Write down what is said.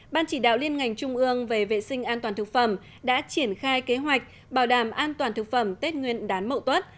ban chỉ đạo liên ngành trung ương về vệ sinh an toàn thực phẩm đã triển khai kế hoạch bảo đảm an toàn thực phẩm tết nguyên đán mậu tuất